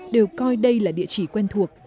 đều coi đây là địa chỉ quen thuộc